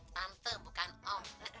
tante bukan om